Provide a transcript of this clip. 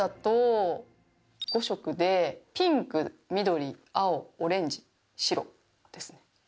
ピンク緑青オレンジ白ですね。